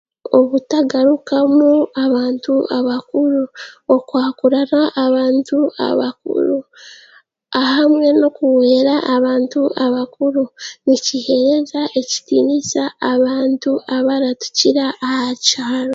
Obutagarukamu abantu abakuru okwakurana abantu abakuru ahamwe n'okuhwera abantu abakuru nikiheereza ekitiinisa abantu abaratukira aha kyaro